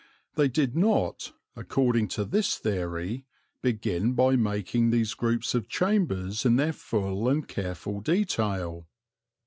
They did not, according to this theory, begin by making these groups of chambers in their full and careful detail.